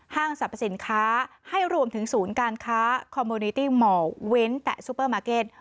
สรรพสินค้าให้รวมถึงศูนย์การค้าคอมโมนิตี้หมอเว้นแตะซูเปอร์มาร์เก็ต